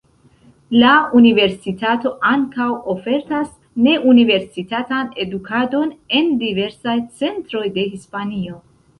La universitato ankaŭ ofertas ne-universitatan edukadon en diversaj centroj de Hispanio.